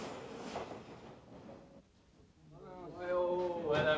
おはよう。